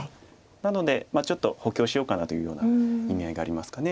なのでちょっと補強しようかなというような意味合いがありますか。